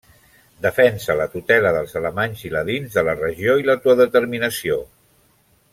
Defensa la tutela dels alemanys i ladins de la regió i l'autodeterminació.